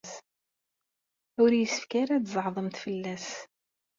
Ur yessefk ara ad tzeɛḍemt fell-as.